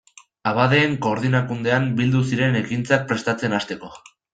Abadeen Koordinakundean bildu ziren ekintzak prestatzen hasteko.